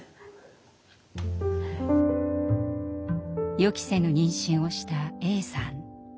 予期せぬ妊娠をしたＡさん。